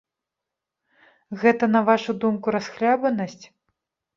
Гэта, на вашу думку, расхлябанасць?